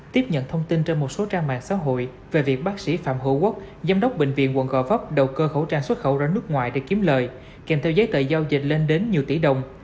tiếp nhận thông tin trên một số trang mạng xã hội về việc bác sĩ phạm hữu quốc giám đốc bệnh viện quận gò vấp đầu cơ khẩu trang xuất khẩu ra nước ngoài để kiếm lời kèm theo giấy tờ giao dịch lên đến nhiều tỷ đồng